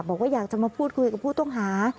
บอกว่าอยากจะมาพูดคุยกับผู้ต้องหา